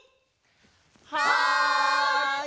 はい！